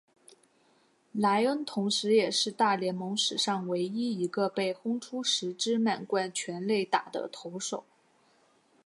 莱恩同时也是大联盟史上唯一一个被轰出十支满贯全垒打的投手。